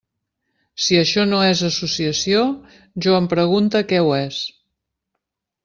Si això no és associació, jo em pregunte què ho és.